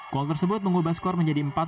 gol tersebut mengubah skor menjadi empat satu